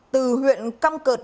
từ huyện căm cợt